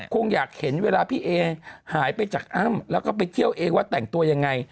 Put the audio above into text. คงอยากเห็นเวลาพี่เอหายไปจากอ้ำแล้วก็ไปเที่ยวเองว่าแต่งตัวยังไง